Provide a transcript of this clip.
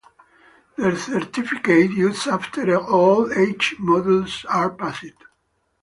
The certificate is issued after all eight modules are passed.